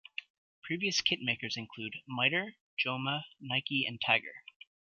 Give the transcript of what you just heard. Previous kit makers include mitre, Joma, Nike and Tiger.